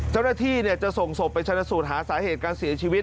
เจ้าหน้าที่จะส่งศพไปชนะสูตรหาสาเหตุการเสียชีวิต